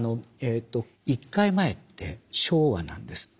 １回前って昭和なんです。